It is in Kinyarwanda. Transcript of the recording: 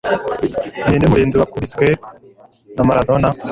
Ninde Murinzi Wakubiswe na Maradona